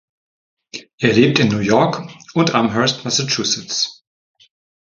Er lebt in New York und Amherst, Massachusetts.